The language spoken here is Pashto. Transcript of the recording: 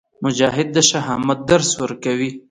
مجاهد د شهامت درس ورکوي.